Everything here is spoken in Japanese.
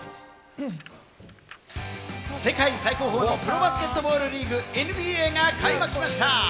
世界最高峰のプロバスケットボールリーグ・ＮＢＡが開幕しました。